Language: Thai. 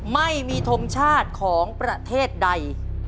ไม่มีทงชาติของประเทศใด